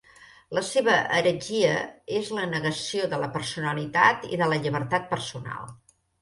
La seva heretgia és la negació de la personalitat i de la llibertat personal.